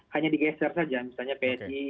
hanya digeser saja misalnya psi